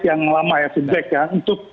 yang lama ya feedback ya untuk